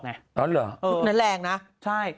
อ๋อเหรอนั้นแรงนะใช่